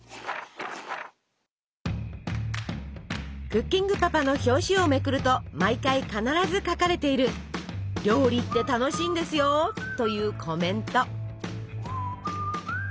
「クッキングパパ」の表紙をめくると毎回必ず書かれている「料理って楽しいんですよー！！」というコメント。